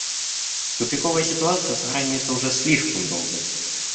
Тупиковая ситуация сохраняется уже слишком долго.